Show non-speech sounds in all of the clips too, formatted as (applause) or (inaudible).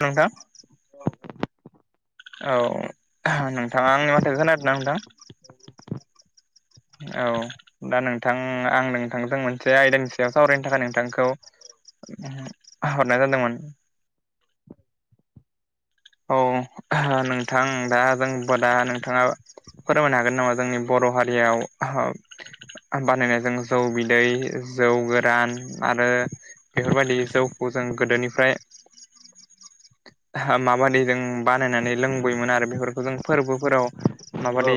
नोंथां औ (unintelligible) नोंथाङा आंनि माथोखो खोनादों ना नोंथां? औ दा नोंथां आं नोंथांजों मोनसे आयदानि सायाव सावरायनो थाखाय नोंथांखौ हरनाय जादोंमोन। औ (unintelligible) नोंथां दा जोंब दा नोंथाङा फोरमायनो हागोन नामा जोंनि बर' बर' हारियाव (unintelligible) बानायनायजों जौ बिदै जौ गोरान आरो बेफोरबायदि जौखौ जों गोदोनिफ्राय (unintelligible) माबायदि जों बानायनानै लोंबोयोमोन आरो बेफोरखौ जों फोरबोफोराव औ माबादि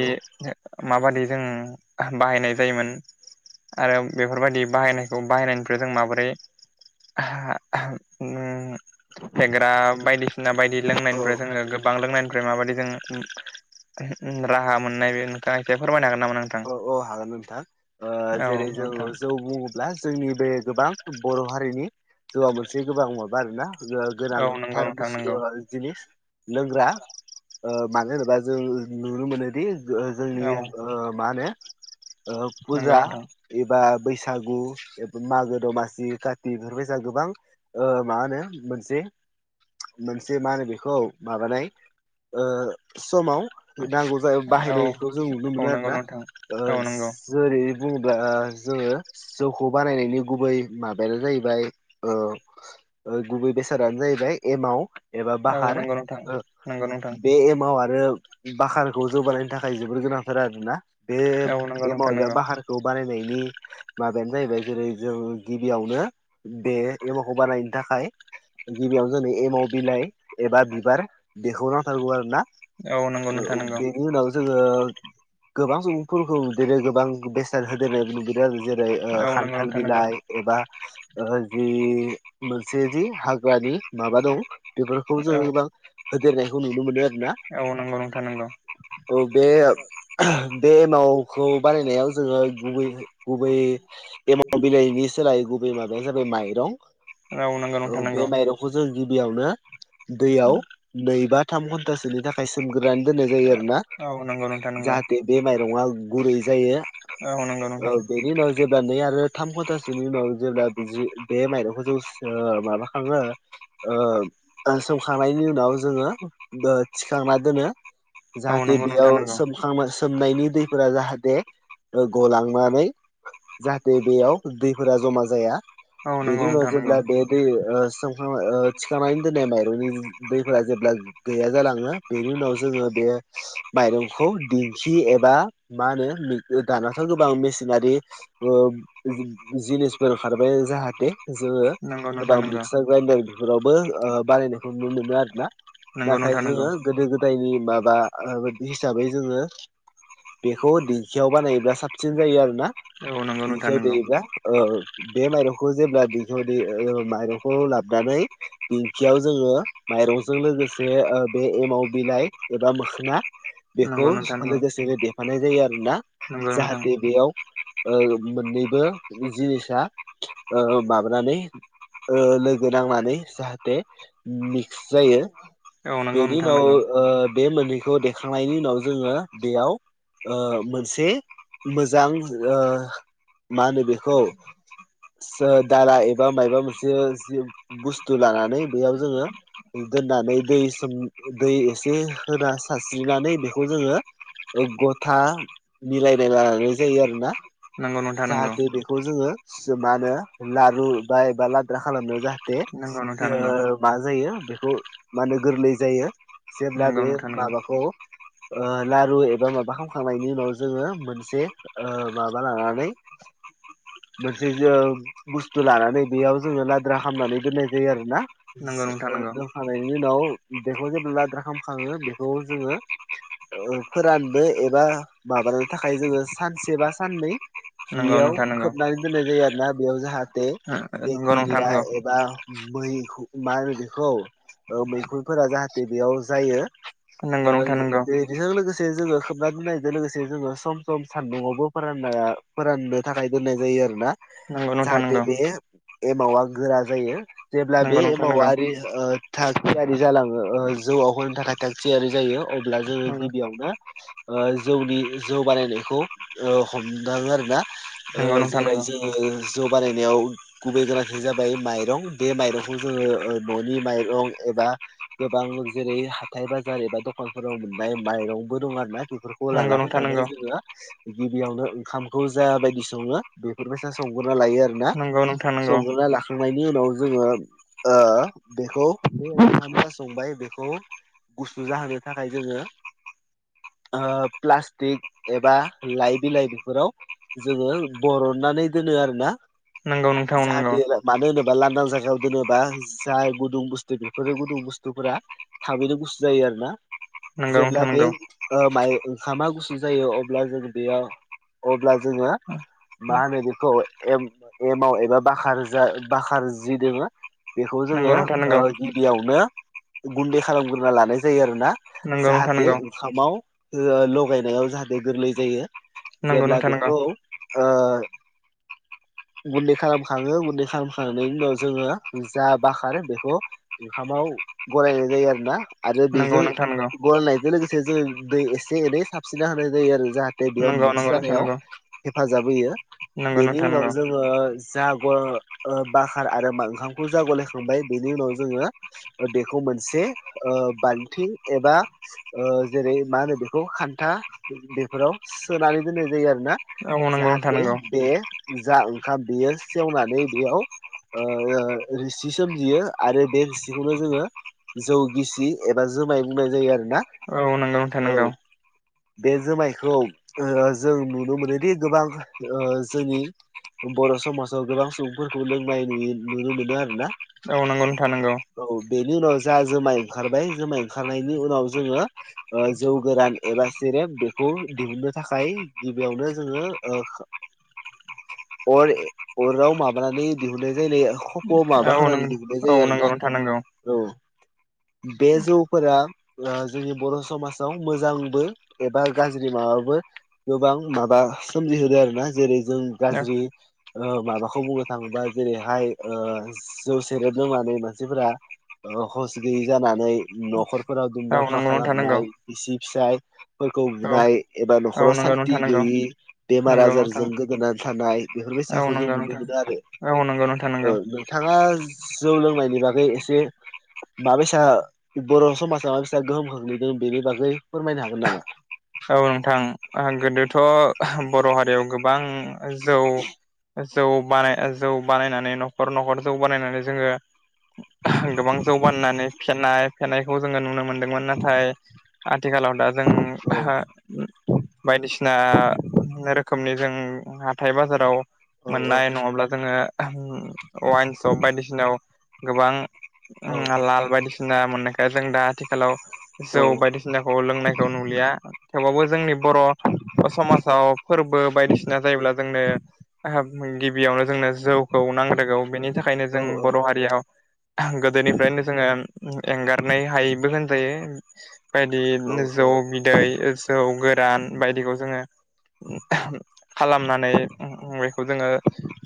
माबादि जों बाहायनाय जायोमोन? आरो बेफोरबायदि बाहायनायखौ बाहायनायनिफ्राय जों माबोरै (unintelligible) ओम फेग्रा बायदिसिना बायदि औ लोंनायनिफ्राय जोङो गोब बां लोंनायनिफ्राय माबायदि जों राहा मोननाय बे नोंथाङा एसे फोरमायनो हागोन नामा नोंथां? औ औ हागोन नोंथां ओ औ जेरै जोंङो नोंथां जौ बुङोब्ला जोंनि बे गोबां बर' हारिनि जौआ मोनसे गोबां माबा आरोना औ नंगौ गोनांथार नोंथां बुस्थु नंगौ जिनिस लोंग्रा ओ मानो होनोबा जों नुनो मोनोदि ओ जोंनि औ ओ मा होनो ओ नंगौ फुजा नोंथां एबा बैसागु मागो दमासि काति बेफोर बायसा गोबां ओ मा होनो मोनसे मोनसे मा होनो बेखौ माबानाय ओ समाव नांगौ जायो औ बाहायनायखौ जों नुनो औ मोनो आरो नंगौ ना नोंथां ओ औ नंगौ जोरै बुङोब्ला जोङो जौखौ बानायनायनि गुबै माबायानो जाहैबाय ओ ओ गुबै बेसादानो जाहैबाय एमाव एबा औ बाखार नंगौ नोंथां नंगौ नोंथां बे एमाव आरो बाखारखौ जौ बानायनायनि थाखाय जोबोर गोनांथार आरोना बे औ नंगौ नोंथां एमाव एबा नंगौ बाखारखौ बानाय नायनि माबायानो जाहैबाय जेरै जों गिबियावनो बे एमावखौ बानायनो थाखाय गिबियावनो जोंनो एमाव बिलाइ एबा बिबार बेखौ नांथारगौ आरो ना औ नंगौ ओ नोंथां औ नंगौ बेनि उनाव जोङो गोबां सुबुंफोरखौ बिदिनो गोबां बेसाद होदेरो नुुबोदों आरो जेनेबा जेरै औ नंगौ खान्थाल नोंथां नंगौ बिलाइ एबा ओ जि मोनसे जि हाग्रानि माबा दं बेफोरखौ औ जोङो गोबां होदेरनायखौ नुनो मोनो आरो ना औ नंगौ नोंथां नंगौ औ बे बे एमावखौ बानायनायाव जोङो गुबै गुबै एमाव बिलाइनि सायाव सोलाय गुबै माबायानो जाबाय माइं नंगौ औ नोंथां बे नंगौ माइरंखौ जोङो गिबियावनो दैयाव नै बा थाम घन्टासोनि थाखाय सो गोरानै दोननाय जायो आरोना औ नंगौ नोंथां नंगौ जाहाथे बे माइरङा गुरै जायो औ नंगौ ओ नोंथां बेनि उनाव जेब्ला नै आरो थाम घन्टासोनि उनाव जेब्ला बे माइरंखौ जौ ओ जों माबा खाङो ओ सोमखांनायनि उनाव जोङो थिखांना दोनो औ जाहाथे नंगौ नोंथां बेयाव नंगौ सोम सोमनायनि दैफोरा जाहाथे ओ गलांनानै जाहाथे बेयाव दैफोरा जमा जाया औ नंगौ बेनि उनाव नोंथां नंगौ जेब्ला बे दै ओ सोमखांबाय ओ थिखांनानै दोननाय माइरंनि दैफोरा जेब्ला गैया जालाङो बेनि उनाव जोङो बे खौ माइरंखौ दिंखि एबा मा होनो दानाथ' गोबां मेसिनारि ओ जिनिसफोर ओखारबाय जाहाथे जोङो नंगौ नोंथां गोबां नंगौ मिक्सार ग्राइडार बेफोरावबो बानायनायखौ नुनो मोनो आरो ना नंगौ नाथाय नोंथां नंगौ जोङो गोदो गोदायनि माबा ओ हिसाबै जोङो बेखौ दिंखियाव बानायोबा साबसिन जायो आरो ना औ नंगौ नोंथां दिंखियाव नंगौ देयोब्ला औ बे माइरंखौ जेब्ला दिंखियाव देयो ओ माइरंखौ लाबनानै दिंखियाव जोङो माइरंजों लोगोसे ओ बे एमाव बिलाइ एबा मोखोना बेखौ नंगौ नोंथां नंगौ लोगोसेनो देफानाय जायो आरोना नंगौ जाहाथे नोंथां बेयाव ओ मोननैबो जिनिसा ओ माबानानै ओ लोगो नांनानै जाहाथे मिक्स जायो औ बेनि उनाव ओ बे मोननैखौ देखांनायनि उनाव जोङो बेयाव ओ मोनसे मोजां ओ मा होनो बेखौ सो दाला एबा माइबा मोनसे जि बुस्थु लानानै बेआव जोङो दोननानै दै सोम दै एसे होना सारस्रिनानै बेखौ जोङो ओ गथा मिलायलायना लायनाय जायो आरो ना नंगौ नोंथां नंगौ जाहाथे बेखौ जोङो सो मा होनो लारु बा एबा लाद्रा खालामनो जाहाथे नंगौ नोंथां थे ओ नंगौ मा जायो बेखौ मा होनो गोरलै जायो जेब्ला नंगौ बे नोंथां नंगौ माबाखौ ओ लारु एबा माबा खामखांनायनि उनाव जोङो ओ मोनसे माबा लानानै नै मोनसे जों बुसथु लानानै बेयाव जोङो लाद्रा खालामामनानै दोननाय जायो आरोना ओ दोनखांनायनि उनाव बेखौ जेब्ला लाद्रा खालामखाङो बेखौ जोङो ओ फोराननो एबा माबानो थाखाय जोङो सानसे बा साननै नंगौ हियाव नोंथां नंगौ खोबनानै दोननाय जायो आरोना बेयाव जाहाथे नंगौ नोंथां बेक्टिरेआ नंगौ एबा मै मा होनो बेखौ ओ मैखुनफोरा जाहाथे बेआव जायो नंगौ ओ नोंथां नंगौ इदिजों लोगोसे से जोङो खोबना दोननायजों लोगोसे जोङो सम सम सानदुङावबो फोराननो फोराननो थाखाय दोननाय जायो आरो ना नंगौ नोंथां जाहाथे नंगौ बे एमावा गोरा जायो जेब्ला बे नंगौ नोंथां नंगौ एमावारि ओ थार थियारि जालाङो ओ जौआव होनो थाखाय थाग थियारि जायो अब्ला जोङो नंगौ गिबिआवनो जौनि जौ बानायनायखौ ओ हमदांओ आरो ना ओ नोंथां जेरै नंगौ जोङो जौ बानायनायाव गुबै गोनांथि जाबाय ओ माइरं बे माइरंखौ जोङो ओ न'नि माइरं एब बा गोबां जेरै हाथाय बाजार एबा दखानफोराव मोननाय माइरंबो दं आरो ना बेफोरखौ नंगौ लाना नोंथां फैनानै नंगौ जोङो गिबिआवनो ओंखामखौ जा बायदि सङो बेफोरबाय संगना लायो आरोोना नंगौ नंगौ नोंथां नंगौ संगोरना लाखांनायनि नि उनाव जोङो ओ बेखौ बे ओंख (unintelligible) संबाय बेखौ गुसु जाहोनो थाखाय जों आ प्लासटिक एबा लाइ बिलाइ फोराव जोङो बरननानै दोनो आरोना नंगौ नोंथां नंगौ जाहाथे मानो होनोब्ला बा लांदां जायगायाव दोनोबा जाय गुदुं बुसथु बेफोर गुदुं बुसथुफोरा थाबैनो गुसु जायो आरो आरोना नोंगौ जेब्ला नोंथां बे नोंगौ ओ माइ ओंखामा गुसु जायो अब्ला जों बेयाव अब्ला जोङो मा होनो बेखौ एम एमाव एबा बाखार जा बाखारजि दोङो बेखौ जोङो नंगौ नोंथां ओ नंगौ गिबियावनो गुनदै खालामग्रोना लानाय जायो आरो ना नंगौ नोंथां नंगौ नोंथां नंगौ नोंथां जाहाथे नंगौ ओंखामाव ओ लगायनायाव जाहाथे गोरलै जायो नंगौ जेब्ला नोंथां नंगौ बेखौ ओ (inaudible) गुनदै खालाम खाङो गुनदै खालामखांनायनि उनाव जोङो जा बाखारो बेखौ ओंखामाव गलायनाय जायो आरोना आरो नंगौ बेजों नोंथां नंगौ गलनायजों लोगोसे जों दै एसे एनै साबस्रिना होनाय जायो आरो जाहाथे थे बेयाव नंगौ मिक्स नंगौ नोंथां जानायाव नंगौ हेफाजाब होयो नंगौ बेनि नोंथां उनाव नंगौ जोङो जा ओ बाखार आरो उम ओंखामखौ जा ग'लायखांबाय बेनि उनाव जोङो ओ‌ बेखौ मोनसे ओ बालथिं एबा ओ जेरै ओ मा होनो बेखौ खानथा बेफोराव सोनानै दोननाय जायो आरो ना औ नंगौ नोंथां जाहाथे नंगौ बे जा ओंखाम बेयो सेवनानै बेयाव ओ रोसि सोमजियो आरो बे रोसिखौनो जोङो जौ गिसि एबा जुमाय बुंनाय जायो आरोना नोंगौ नोंथां औ नोंगौ बे जुमायखौ ओ जों नुनो मोनोदि गोबां ओ जोंनि बर' समाजाव गोबां सुबुंफोरखौ लोंनाय नु नुनो मोनो आरो ना। औ नंगौ नोंथां नंगौ। बेनि उनाव जा जुमाय ओंखारबाय जुमाय ओंखारनायनि उनाव जोङो ओ जौ गोरान एबा बेखौ दिहुननो थाखाय गिबियावनो जोङो ओ अर अराव माबानानै दिहुननाय जायो। माबा औ होनानै नंगौ दिहुननाय औ जायो आरोना नंगौ नोंथां नंगौ औ बे जौफोरा ओ जोंनि बर' समाजाव मोजांबो एबा गाज्रि मोन बाबो गोबां माबा सोमजि होदों आरोना जेरै जों गाज्रि माबाखौ बुंनो थाङोबा जै बेैहाय जौ सेरेबनो माने मानसिफोरा हस गैयि जानानै न'खर फोराव दुम औ दांफा नंगौ नोंथां नंगौ खालामनाय बिसि फिसायफोरखौ बुनाय एबा न'खराव न सान्थि थानांगौ। गैयि बेमार आजारजों गोदोनानै थानाय बेफोरबायदि साहाखौ जों नुनो मोनो आरो। नोंखौ नोंथां ओ नोंगौ। नोंथाङा जौ लोंनायनि बागै एसे माबेसा बर' समाजा माबेसा गोहोम खोख्लैदों बेनि बागै फोरमायनो हागोन नामा? औ नोंथां गोदोथ' बर' हारियाव गोबां जौ जौ बानाय जौ बानायनानै न'खर न'खर जौ बानायनानै जोङो गोबां जौ बाननानै फेनाय फेनायखौ जोङो नुनो मो नों नाथाय आथिखालाव दा औ जों सिना रोखोमनि जों हाथथाय बाजाराव औ मोननाय नङाब्ला जोङो वाइन सप बायदिसिनाव गोबां औ लाल बायदिसिना मोननायखौ जों दा आथिखालाव जौ औ बायदिसिनाखौ लोंनायखौ नुलिया थेवबाबो जोंनि बर' समाजाव फोरबो बायदिसिना जायोब्ला जोंनो गि गिबियावनो जोंनो जौखौ नांग्रोगौ बेनि थाखायनो औ जों बर' हारियाव गोदोनिफ्रायनो जोङो एंगारनाय हायैबो होनजायो। बायदि औ जौ बिदै जौ गोरान बायदिखौ जोङो खालामनानै बेखौ जोङो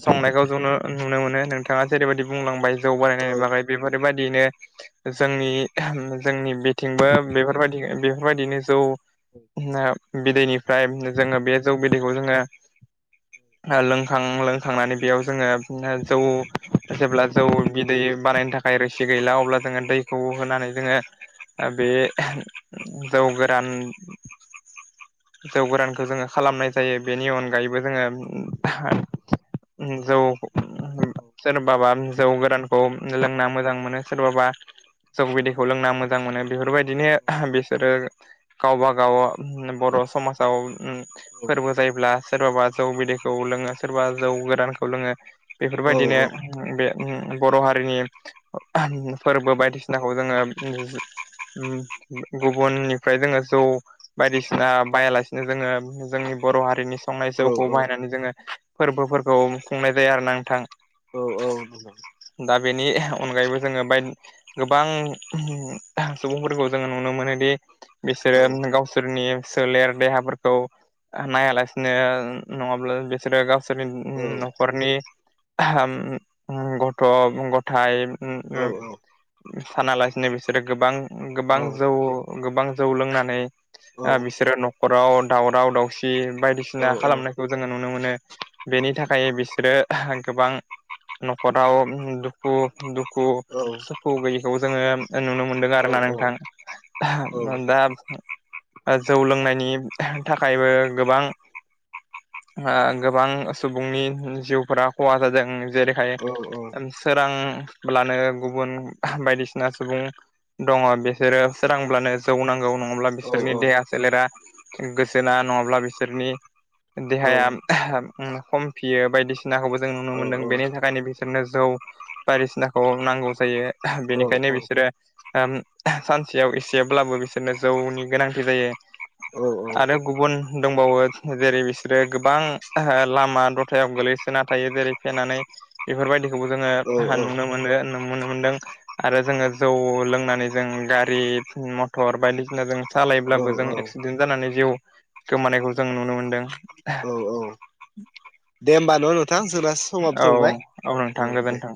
संनायखौ नुनो मोनो। नोंथाङा जेरैबायदि बुंलांबाय जौ औ बारायनायनि बागै बेफोरबायदियैनो जोंनि जोंनि बिथिंबो बेफोरबायदि बेफोरबायदिनो जौ बिदैनिफ्राय जोङो बे जौ बिदैखौ जोङो लोंखां लोंखांनानै बेयाव जोङो जौ जेब्ला जौ बिदै बानायनो थाखाय रोसि गैला अब्ला जोङो दैखौ होनानै जोङो बे जौ गोरान जौ गोरानखौ जोङो खालामनाय जायो बेनि अनगायैबो जोङो जौ सोरबाबा जौ गोरान खौ लोंना मोजां मोनो सोरबाबा जौ बिदैखौ लोंना मोजां मोनो। बेफोरबायदिनो बिसोरो गावबागाव बर' समाजाव फोरबो जायोब्ला सोरबाबा जौ बिदैखौ लोङो सोरबा जौ गोदानखौ लोङो औ नंगौ औ बेफोरबायदिनो बे बर' हारिनि फोरबो बायदिसिनाखौ जोङो गुबुननिफ्राय जोङो जौ बायदिसिना बाहायालासिनो जोङो जोंनि बर' हारिनि संनाय औ जौखौ बाहायनानै जोङो फोरबोफोरखौ खुंनाय जाया आरोना नोंथां। औ औ औ दा बेनि अनगायैबो जोङो बाय गोबां सुबुंफोरखौ जोङो नुनो मोनोदि बिसोरो गाव नि सोलेर देहाफोरखौ नायालासिनो नङाब्ला बिसोरो गाव न'खरनि उम गथ' गथाया उम उम सानालासिनो बिसोरो गोबां गोबां जौ गोबां जौ लोंनानै ओ बिसोरो न'खराव दावराव दावसि बायदिसिना खालामनायखौ जोङो नुनो मोनो। बेनि थाखाय बिसोरो गोबां न'खराव दुखु दुखु सुखु गैयैखौबो जोङो नुनो मोनदों औ आरोना। नोंथां। दा जौ लोंनायनि थाखायबो गोबां हा गोबां सुबुंनि जिउफोरा खहा जादों जेरैखाय औ सोरांब्लानो गुबुन बायदिसिना सुबुं दङ बिसोरो सोरांब्लानो जौ नांगौ नङाब्ला बि औ सोरनि देहा सोलेरा गोजोना नङाब्ला बिसोरनि देहाया खमफियो बायदिसिनाखौबो जों नुनो मोनदों बेनि थाखायनो बिसोरनो जौ बायदिसिनाखौ नांगौ जायो बेनिखायनो बिसोरो सानसेयाव ए से जेब्लाबो बिसोरनो जौनि गोनांथि जायो। आरो गुबुन दंबावो जेरै बिसोरो गोबां लामा दथायाव गोलैसो ना थायो जेरै फेनानै बेफोरबायदिखौबो जोङो हा नुनो मोनो नुनो मोनदों आरो जो ङो जौ लोंनानै जों गारि मथर बायदिसिना जों सालायोब्लाबो जों एक्सिडेन्ट जानानै जिउ गोमानायखौ जों नुनो मोनदों। औ दे होमबा न' नोंथां जोंना समाबो जौबाय थां लोगो नोंथां